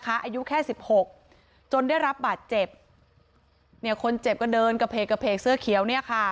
อายุแค่๑๖จนได้รับบัตรเจ็บคนเจ็บก็เดินกระเพกกระเพกเสื้อเขียว